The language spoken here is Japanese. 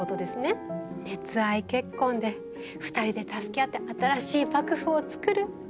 熱愛結婚で２人で助け合って新しい幕府をつくる。